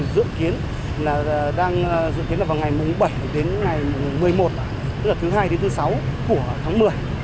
dự kiến là vào ngày bảy một mươi một tức là thứ hai sáu tháng một mươi